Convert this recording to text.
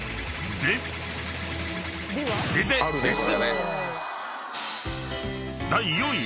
［ででです！］